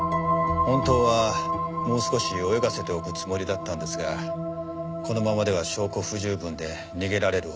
本当はもう少し泳がせておくつもりだったんですがこのままでは証拠不十分で逃げられる恐れもある。